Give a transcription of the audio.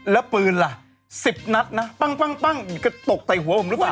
แล้วปืนล่ะ๑๐นัดนะปั้งกระตกใส่หัวผมหรือเปล่า